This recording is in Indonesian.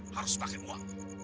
harus pakai uang